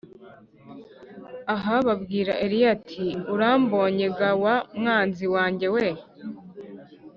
Ahabu abwira Eliya ati “Urambonye ga wa mwanzi wanjye we?”